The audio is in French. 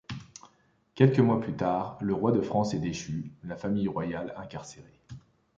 Quelques mois plus tard, le roi de France est déchu, la famille royale incarcérée.